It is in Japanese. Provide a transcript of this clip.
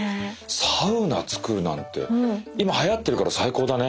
サウナ造るなんて今はやってるから最高だね。